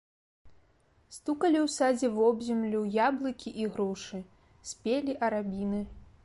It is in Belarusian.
Стукалі ў садзе вобземлю яблыкі і грушы, спелі арабіны.